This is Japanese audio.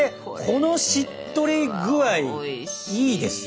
このしっとり具合いいですよ。